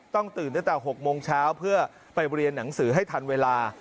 ต้องตื่นตั้งแต่๖โมงเช้าเพื่อไปเรียนหนังสือให้ทันเวลา